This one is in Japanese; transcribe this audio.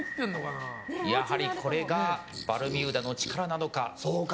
やはりこれがバルミューダの力なのか。